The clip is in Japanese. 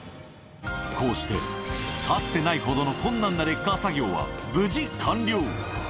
こうして、かつてないほどの困難なレッカー作業は、無事完了。